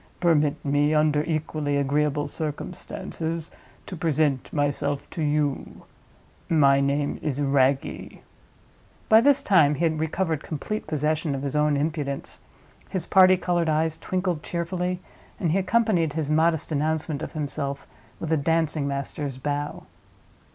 Permit me, under equally agreeable circumstances, to present myself to you. My name is Wragge." By this time he had recovered complete possession of his own impudence; his party colored eyes twinkled cheerfully, and he accompanied his modest announcement of himself with a dancing master's bow.